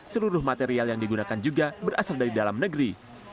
seluruh material yang digunakan juga berasal dari dalam negeri